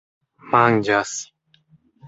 manĝas